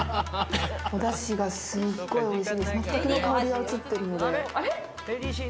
おだしがすごくおいしいです。